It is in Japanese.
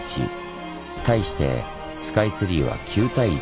対してスカイツリーは９：１。